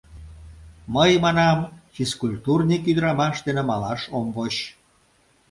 — Мый, манам, физкультурник ӱдырамаш дене малаш ом воч...